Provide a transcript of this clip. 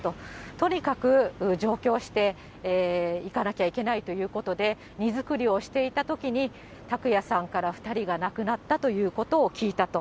とにかく上京して行かなきゃいけないということで、荷作りをしていたときに、拓也さんから、２人が亡くなったということを聞いたと。